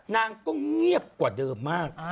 นางก็เงียบกว่าเดิมมาก